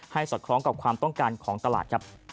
ให้สดครองกับความต้องการของตลาด